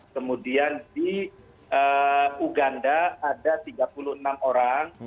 kemudian di uganda ada tiga puluh enam orang